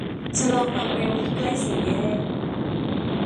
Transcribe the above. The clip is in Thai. ชะลอความเร็วให้ใกล้สี่แยก